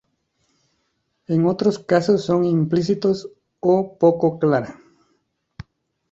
En otros casos son implícitos o poco clara.